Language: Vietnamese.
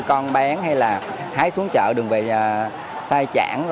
con bén hay là hái xuống chợ đường về sai chãn